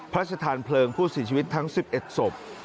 พระราชทานเพลิงผู้เสียชีวิตทั้ง๑๑ศพ